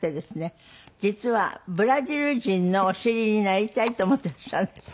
実はブラジル人のお尻になりたいと思ってらっしゃるんですって？